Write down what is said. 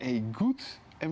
tidak cukup di indonesia